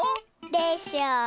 でしょう。